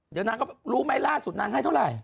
เดี๋ยวนางก็รู้ไหมล่าสุดนางให้เท่าไหร่